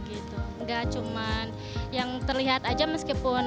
nggak cuma yang terlihat aja meskipun